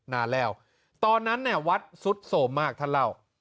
นานแล้วตอนนั้นเนี่ยวัดสุดโสมมากท่านเล่า